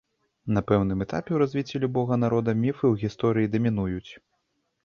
На пэўным этапе ў развіцці любога народа міфы ў гісторыі дамінуюць.